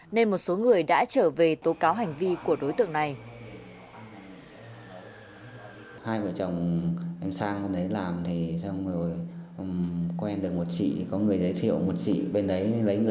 nên một số người đã trở về tố cáo hành vi của đối tượng này